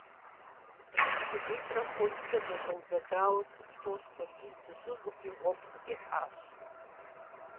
ШыгуитӀрэ фочкӀэ зэщӀэузэдауэ цӀыху тӀощӀ хуэдиз зыщӀызгъури гъуэгу сытехьащ.